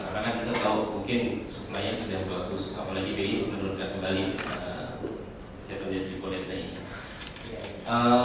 karena kita tahu mungkin sukmanya sudah bagus apalagi bi menurunkan kembali tujuh d tiga kodek lainnya